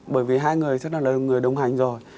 bởi vì hai người rất là người đồng hành rồi